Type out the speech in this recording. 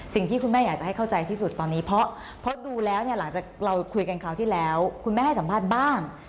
สิ่งที่คุณแม่อยากจะให้เข้าใจที่สุดตอนนี้เพราะดูแล้วเนี่ยหลังจากเราคุยกันคราวที่แล้วคุณแม่ให้สัมภาษณ์บ้าง